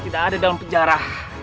tidak ada dalam penjara